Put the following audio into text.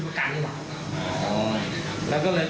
คือเราเหมาด้วยแล้วก็ขับรถเร็วด้วย